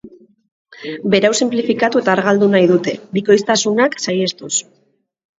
Berau sinplifikatu eta argaldu nahi dute, bikoiztasunak saihestuz.